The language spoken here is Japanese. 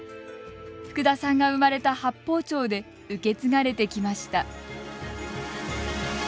福田さんが生まれた八峰町で受け継がれてきました。